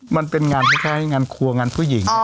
มันเป็นงานคล้ายงานครัวงานผู้หญิง